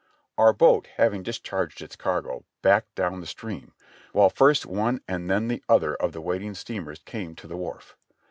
Our boat having discharged its cargo, backed down the stream, while first one and then the other of the waiting steamers came to the wharf.